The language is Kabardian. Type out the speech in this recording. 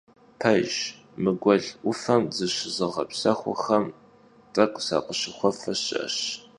Pejjş, mı guel 'ufem zışızığepsexuxem t'ek'u sakhışıxuefe şı'eş.